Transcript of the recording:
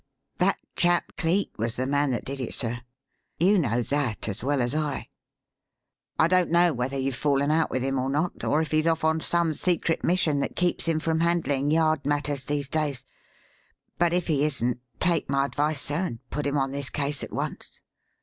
That chap Cleek was the man that did it, sir. You know that as well as I. I don't know whether you've fallen out with him or not; or if he's off on some secret mission that keeps him from handling Yard matters these days. But if he isn't, take my advice, sir, and put him on this case at once."